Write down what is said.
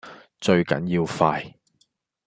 最緊要快